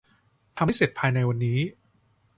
ทำให้เสร็จภายในวันนี้